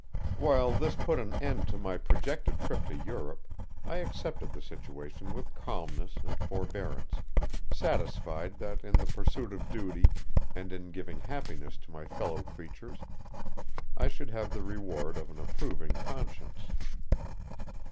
While this put an end to my projected trip to Europe I accepted the situation with calmness and forbearance, satisfied that in the pursuit of duty and in giving happiness to my fellow creatures I should have the reward of an approving conscience.